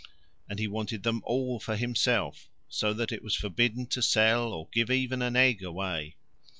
And he wanted them all for himself, so that it was forbidden to sell or give even an egg away.